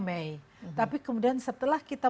mei tapi kemudian setelah kita